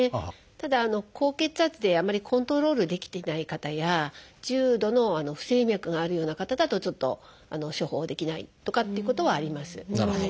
ただ高血圧であまりコントロールできていない方や重度の不整脈があるような方だとちょっと処方できないとかということはあります。